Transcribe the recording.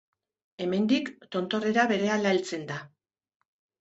Hemendik, tontorrera berehala heltzen da.